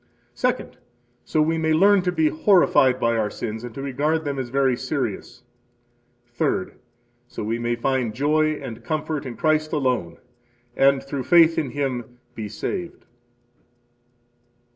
Second, so we may learn to be horrified by our sins, and to regard them as very serious. Third, so we may find joy and comfort in Christ alone, and through faith in Him be saved.